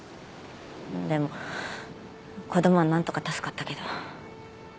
でも子供はなんとか助かったけど。